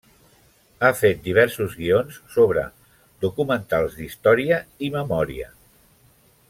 Ha fet diversos guions sobre documentals d'història i memòria.